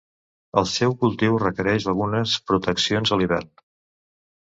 El seu cultiu requereix algunes proteccions a l'hivern.